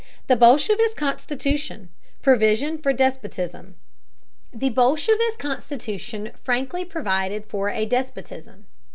THE BOLSHEVIST CONSTITUTION: PROVISION FOR A DESPOTISM. The bolshevist constitution frankly provided for a despotism.